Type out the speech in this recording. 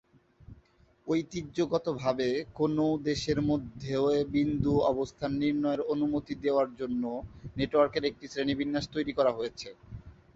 ঐতিহ্যগতভাবে, কোনও দেশের মধ্যে বিন্দু অবস্থান নির্ণয়ের অনুমতি দেওয়ার জন্য নেটওয়ার্কের একটি শ্রেণিবিন্যাস তৈরি করা হয়েছে।